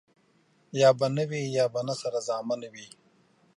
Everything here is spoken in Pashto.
يا به نه وي ،يا به نه سره زامن وي.